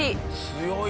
強い。